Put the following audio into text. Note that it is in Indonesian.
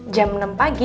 jam enam pagi